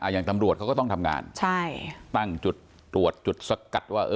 อย่างตำรวจเขาก็ต้องทำงานใช่ตั้งจุดตรวจจุดสกัดว่า